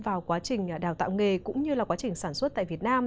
vào quá trình đào tạo nghề cũng như là quá trình sản xuất tại việt nam